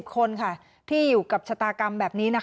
คนที่อยู่กับชะตากรรมแบบนี้